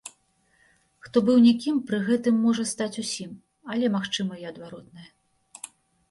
Хто быў нікім пры гэтым можа стаць усім, але магчыма і адваротнае.